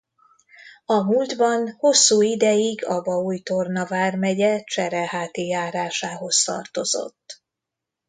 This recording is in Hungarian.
A múltban hosszú ideig Abaúj-Torna vármegye Csereháti járásához tartozott.